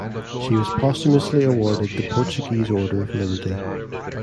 She was posthumously awarded the Portuguese Order of Liberty.